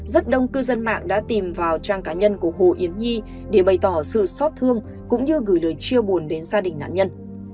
rất đông cư dân mạng đã tìm vào trang cá nhân của hồ yến nhi để bày tỏ sự xót thương cũng như gửi lời chia buồn đến gia đình nạn nhân